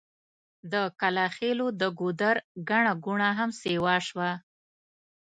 د کلاخېلو د ګودر ګڼه ګوڼه هم سيوا شوه.